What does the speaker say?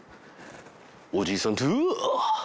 「おじいさんとあ」